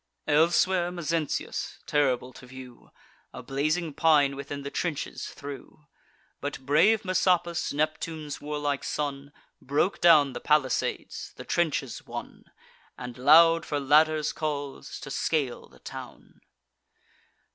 Elsewhere Mezentius, terrible to view, A blazing pine within the trenches threw. But brave Messapus, Neptune's warlike son, Broke down the palisades, the trenches won, And loud for ladders calls, to scale the town.